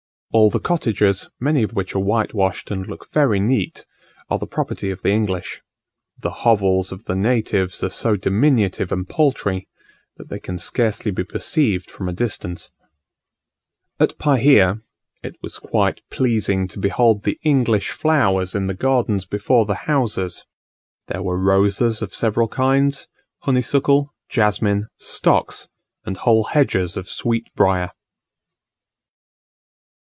All the cottages, many of which are whitewashed and look very neat, are the property of the English. The hovels of the natives are so diminutive and paltry, that they can scarcely be perceived from a distance. At Pahia, it was quite pleasing to behold the English flowers in the gardens before the houses; there were roses of several kinds, honeysuckle, jasmine, stocks, and whole hedges of sweetbrier.